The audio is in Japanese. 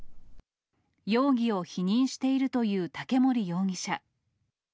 容疑を否認しているという竹森容疑者。